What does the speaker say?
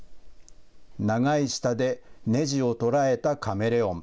長い舌でネジを捉えたカメレオン。